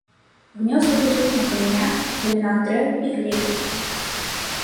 Гнёзды будуюць на камянях, галінах дрэў і глебе.